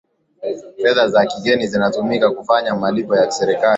fedha za kigeni zinatumika kufanya malipo ya kiserikali